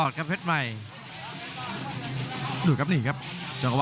ดูครับนี่ครับจังหวะ